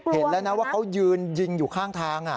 เห็นแล้วนะว่าเขายืนยิงอยู่ข้างทาง